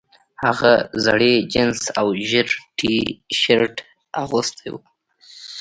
هغه زړې جینس او ژیړ ټي شرټ اغوستی و